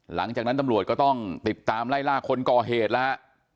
หลังจากนั้นตำรวจก็ต้องติดตามไล่ล่าคนก่อเหตุแล้วฮะ